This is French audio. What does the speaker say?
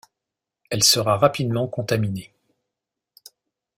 Elle sera rapidement contaminée.